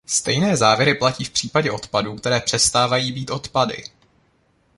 Stejné závěry platí v případě odpadů, které přestávají být odpady.